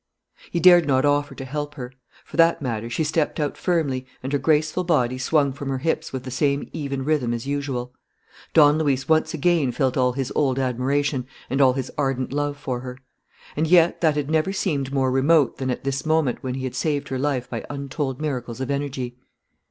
He dared not offer to help her. For that matter, she stepped out firmly and her graceful body swung from her hips with the same even rhythm as usual. Don Luis once again felt all his old admiration and all his ardent love for her. And yet that had never seemed more remote than at this moment when he had saved her life by untold miracles of energy.